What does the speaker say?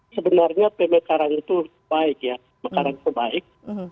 sebenarnya pemekaran itu baik ya pemekaran itu baik